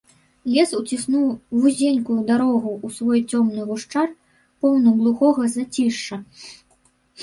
Лес уціснуў вузенькую дарогу ў свой цёмны гушчар, поўны глухога зацішша.